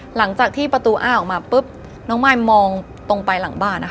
หลังจากที่ประตูอ้าออกมาปุ๊บน้องมายมองตรงไปหลังบ้านนะคะ